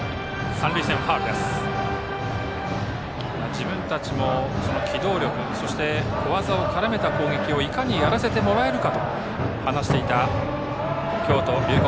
自分たちの機動力そして小技を絡めた攻撃をいかにやらせてもらえるかと話していた京都・龍谷